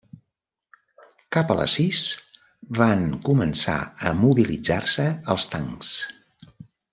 Cap a les sis van començar a mobilitzar-se els tancs.